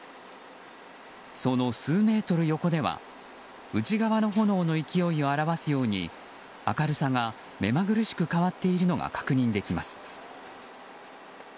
その数メートル横では内側の炎の勢いを表すように明るさが目まぐるしく変わっているのが確認できます。